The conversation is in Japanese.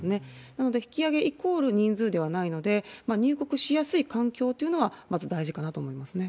なので、引き上げイコール人数ではないので、入国しやすい環境というのはまず大事かなと思いますね。